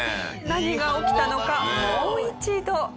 何が起きたのかもう一度。